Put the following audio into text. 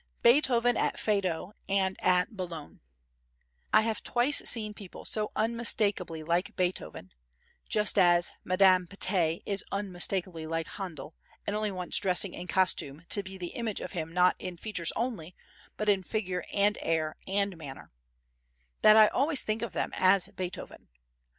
Beethoven at Faido and at Boulogne I have twice seen people so unmistakably like Beethoven (just as Madame Patey is unmistakably like Handel and only wants dressing in costume to be the image of him not in features only but in figure and air and manner) that I always think of them as Beethoven.